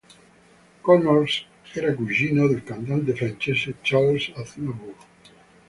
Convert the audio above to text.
Connors era cugino del cantante francese Charles Aznavour.